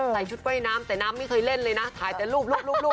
ใส่ชุดว่ายน้ำแต่น้ำไม่เคยเล่นเลยนะถ่ายแต่รูป